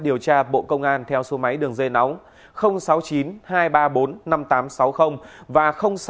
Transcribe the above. điều tra bộ công an theo số máy đường dây nóng sáu mươi chín hai trăm ba mươi bốn năm nghìn tám trăm sáu mươi và sáu mươi chín hai trăm ba mươi hai một nghìn sáu trăm sáu mươi bảy